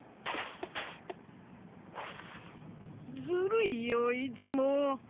ずるいよいつも。